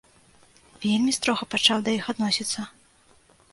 Вельмі строга пачаў да іх адносіцца.